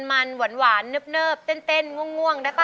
มันหวานเนิบเต้นง่วงนะคะ